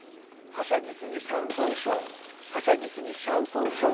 はしゃぎすぎシャンソンショーはしゃぎすぎシャンソンショー。